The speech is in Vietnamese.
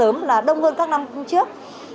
nó sớm là đông hơn các năm trước